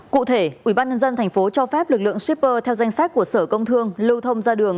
cụ thể ubnd tp cho phép lực lượng shipper theo danh sách của sở công thương lưu thông ra đường